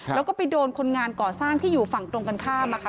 แล้วก็ไปโดนคนงานก่อสร้างที่อยู่ฝั่งตรงกันข้ามอะค่ะ